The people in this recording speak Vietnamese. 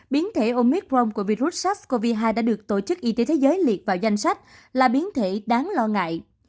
biến thể omicron của virus sars cov hai đã được tổ chức y tế thế giới liệt vào danh sách là biến thể đáng lo ngại